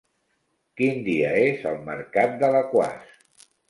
Quin dia és el mercat d'Alaquàs?